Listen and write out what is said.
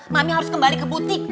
mami harus kembali ke butik